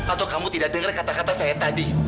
atau kamu tidak dengar kata kata saya tadi